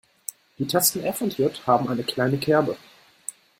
Die Tasten F und J haben eine kleine Kerbe.